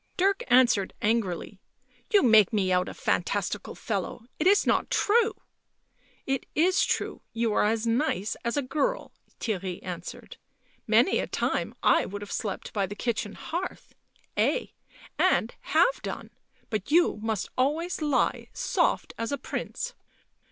Dirk answered angrily. "You make me out a fan tastical fellow — it is not true." " It is true you are as nice as a girl," Theirry answered. " Many a time I would have slept by the kitchen hearth — ay, and have done, but you must always lie soft as a prince."